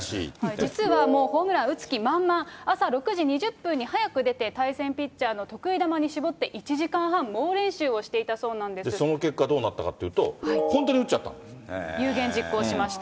実は、もうホームラン打つ気満々、朝６時２０分に早く出て、対戦ピッチャーの得意球に絞って１時間半猛練習をしていたそうなその結果、どうなったかとい有言実行しました。